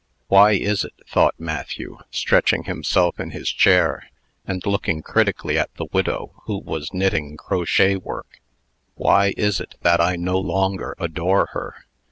"Why is it," thought Matthew, stretching himself in his chair, and looking critically at the widow, who was knitting crotchet work, "why is it that I no longer adore her?